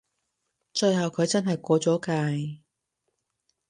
最後佢真係過咗界